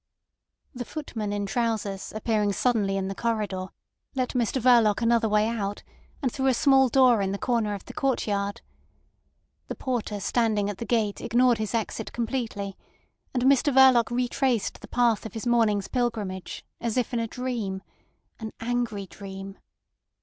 The footman in trousers, appearing suddenly in the corridor, let Mr Verloc another way out and through a small door in the corner of the courtyard. The porter standing at the gate ignored his exit completely; and Mr Verloc retraced the path of his morning's pilgrimage as if in a dream—an angry dream.